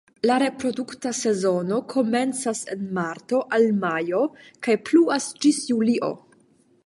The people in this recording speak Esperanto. La reprodukta sezono komencas en marto al majo kaj pluas ĝis julio.